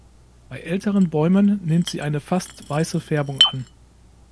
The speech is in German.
Bei älteren Bäumen nimmt sie eine fast weiße Färbung an.